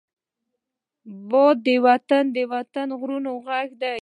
باد د وطن د غرونو غږ دی